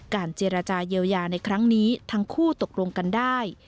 เจรจาเยียวยาในครั้งนี้ทั้งคู่ตกลงกันได้